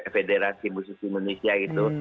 federasi musik indonesia gitu